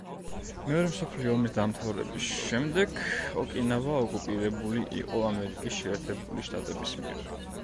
მეორე მსოფლიო ომის დამთავრების შემდეგ, ოკინავა ოკუპირებული იყო ამერიკის შეერთებული შტატების მიერ.